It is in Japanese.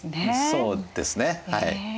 そうですねはい。